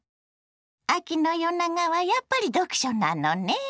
秋の夜長はやっぱり読書なのね。